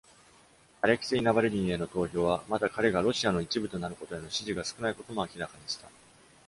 アレクセイ・ナバルニーへの投票は、また彼がロシアの一部となることへの支持が少ないことも明らかにした。